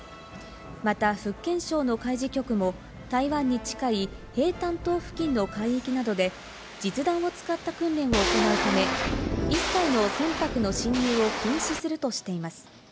また福建省の海事局も台湾に近い平潭島付近の海域などで実弾を使った訓練を行うため、一切の船舶の侵入を禁止するとしています。